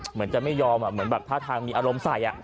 เหมือนจะไม่ยอมเหมือนแบบท่าทางมีอารมณ์ใส่